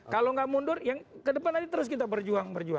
kalau nggak mundur ke depan lagi terus kita berjuang